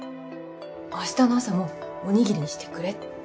明日の朝もおにぎりにしてくれって。